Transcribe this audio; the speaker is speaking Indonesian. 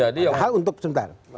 padahal untuk sebentar